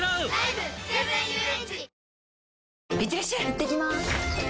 いってきます！